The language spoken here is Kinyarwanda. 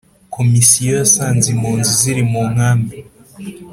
Komisiyo yasanze impunzi ziri mu nkambi